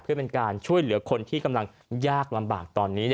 เพื่อเป็นการช่วยเหลือคนที่กำลังยากลำบากตอนนี้